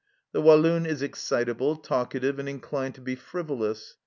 The Walloon is excitable, talka tive, and inclined to be frivolous.